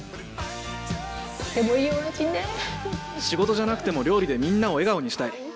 仕事じゃなくても料理でみんなを笑顔にしたい